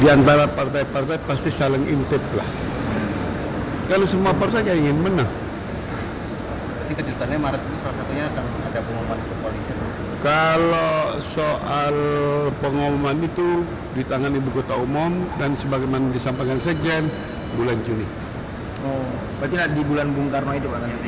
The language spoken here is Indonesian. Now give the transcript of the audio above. oh berarti di bulan bung karno itu pak